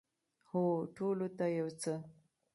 هو، ټولو ته یو څه